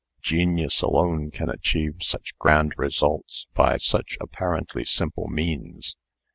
Genius alone can achieve such grand results by such apparently simple means.